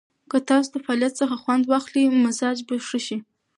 که تاسو د فعالیت څخه خوند واخلئ، مزاج به ښه شي.